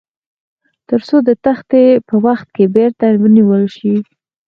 تر څو د تیښتې په وخت کې بیرته ونیول شي.